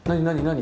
何？